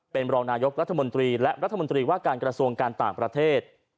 เป็นรองนายกรัฐมนตรีและรัฐมนตรีว่าการกระทรวงการต่างประเทศ